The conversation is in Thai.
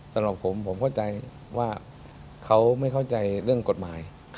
สำหรับผมผมเข้าใจว่าเขาไม่เข้าใจเรื่องกฎหมาย